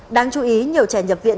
đáng chú ý nhiều trẻ nhập viện